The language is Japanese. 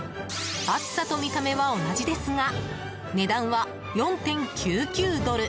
熱さと見た目は同じですが値段は４．９９ドル。